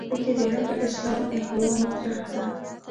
په کې د هغه اسلام احیا مطرح ده.